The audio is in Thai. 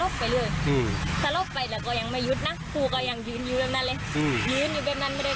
ครูก็ยังยืนอยู่แบบนั้นเลย